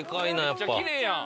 めっちゃきれいやん。